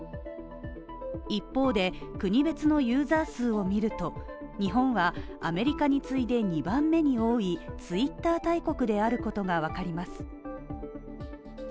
一方で、国別のユーザー数を見ると、日本はアメリカに次いで２番目に多いツイッター大国であることがわかります。